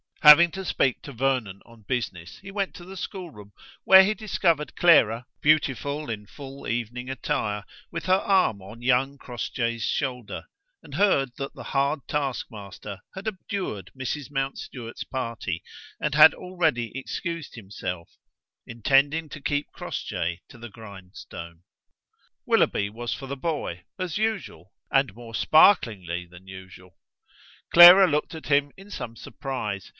Having to speak to Vernon on business, he went to the schoolroom, where he discovered Clara, beautiful in full evening attire, with her arm on young Crossjay's shoulder, and heard that the hard task master had abjured Mrs. Mountstuart's party, and had already excused himself, intending to keep Crossjay to the grindstone. Willoughby was for the boy, as usual, and more sparklingly than usual. Clara looked at him in some surprise.